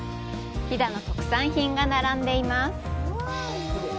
飛騨の特産品が並んでいます。